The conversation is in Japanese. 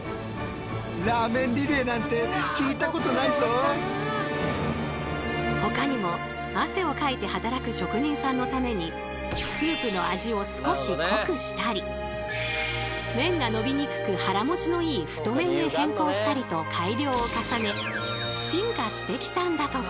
それでほかにも汗をかいて働く職人さんのためにスープの味を少し濃くしたり麺がのびにくく腹もちのいい太麺へ変更したりと改良を重ね進化してきたんだとか。